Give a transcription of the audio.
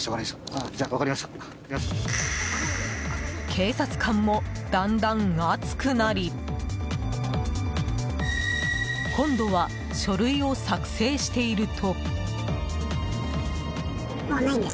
警察官もだんだん熱くなり今度は書類を作成していると。